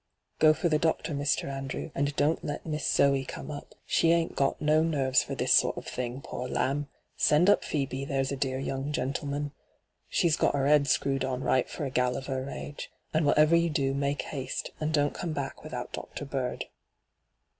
'Go for the doctor, Mr. Andrew, and don't let Miss Zoe come up. She ain't got no hyGoogIc 26 ENTRAPPED nerveB for this sort of thing, pore Iamb I Send up Phoebe, there's a dear young gentleman I She's got her 'ead screwed on right for a gal of her age. And whatever you do, make haste, and don't come back withont Dr. Bird.'